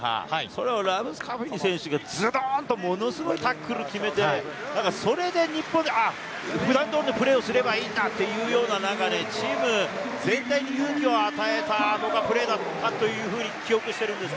それをラブスカフニ選手がズドンと、ものすごいタックルを決めてそれで日本、普段通りのプレーをすればいいんだなっていうような、チーム全体に勇気を与えたプレーだったというふうに記憶しています。